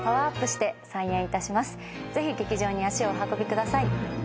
ぜひ劇場に足をお運びください。